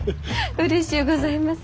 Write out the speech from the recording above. うれしゅうございます。